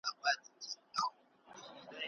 ستا څخه هیڅ نه زده کېږي او هسې وخت ضایع کوې.